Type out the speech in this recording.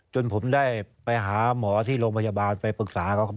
จนผมได้ไปหาหมอที่โรงพยาบาลไปปรึกษาเขา